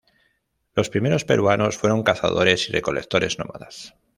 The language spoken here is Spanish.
Los primeros peruanos fueron cazadores y recolectores nómadas.